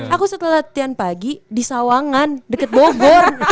aku setelah latihan pagi di sawangan dekat bogor